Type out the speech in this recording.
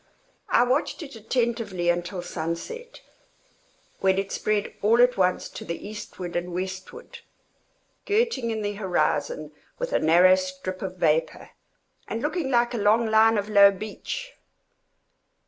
I watched it attentively until sunset, when it spread all at once to the eastward and westward, girting in the horizon with a narrow strip of vapor, and looking like a long line of low beach.